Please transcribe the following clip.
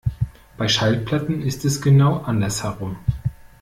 Bei Schallplatten ist es genau andersherum.